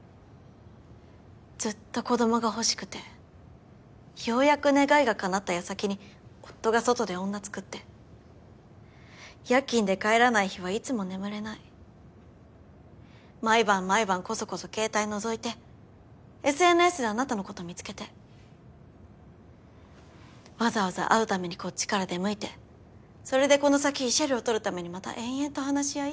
ずっと子どもが欲しくてようやく願いがかなったやさきに夫が外で女作って夜勤で帰らない日はいつも眠れない毎晩毎晩こそこそ携帯のぞいてＳＮＳであなたのこと見つけてわざわざ会うためにこっちから出向いてそれでこの先慰謝料取るためにまた延々と話し合い？